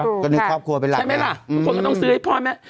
ถูกค่ะก็นึกครอบครัวเป็นหลักเนี้ยใช่ไหมล่ะอืมคนก็ต้องซื้อให้พ่อแม่